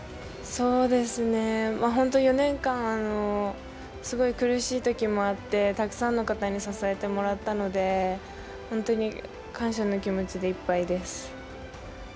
本当、４年間すごい苦しいときもあって、たくさんの方に支えてもらったので、本当に感謝の気持ちでいっぱいです。